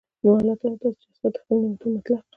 نو الله تعالی د داسي چا څخه د خپلو نعمتونو متعلق